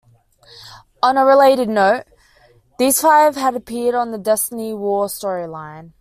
On a related note, these five had appeared in the "Destiny War" storyline.